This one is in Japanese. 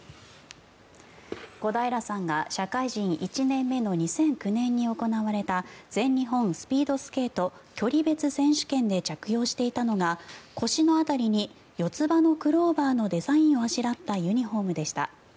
小平さんが社会人１年目の２００９年に行われた全日本スピードスケート距離別選手権で着用していたのが腰の辺りに四つ葉のクローバーのデザインをあしらったユニホームでした。